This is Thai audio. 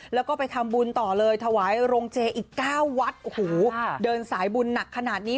แล้วก็ไปทำบุญต่อเลยถวายโรงเจอีก๙วัดโอ้โหเดินสายบุญหนักขนาดนี้